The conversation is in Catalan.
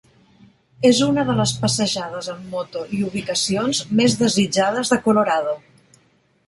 És una de les passejades en moto i ubicacions més desitjades de Colorado.